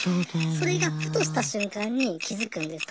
それがふとした瞬間に気付くんです。